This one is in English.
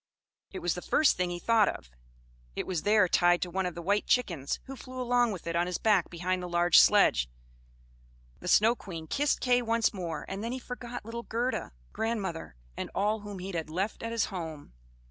It was the first thing he thought of. It was there tied to one of the white chickens, who flew along with it on his back behind the large sledge. The Snow Queen kissed Kay once more, and then he forgot little Gerda, grandmother, and all whom he had left at his home.